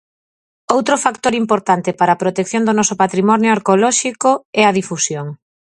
Outro factor importante para a protección do noso patrimonio arqueolóxico é a difusión.